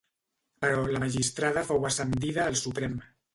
Però la magistrada fou ascendida al Suprem.